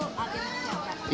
itu agennya berapa